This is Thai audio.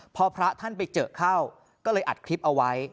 พอพระท่านไปเจอเข้าก็เลยอัดคลิปเอาไว้